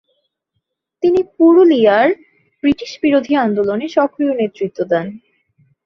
তিনি পুরুলিয়ার ব্রিটিশ বিরোধী আন্দোলনে সক্রিয় নেতৃত্ব দেন।